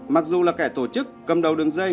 mặc dù là kẻ tổ chức cầm đầu đường dây